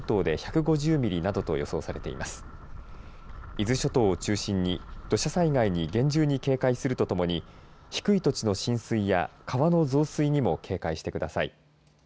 伊豆諸島を中心に土砂災害に厳重に警戒するとともに低い土地の浸水や川の増水にも警戒してください。